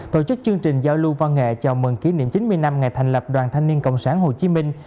tổ chức chương trình giao lưu văn nghệ chào mừng kỷ niệm chín mươi năm ngày thành lập đoàn thanh niên cộng sản hồ chí minh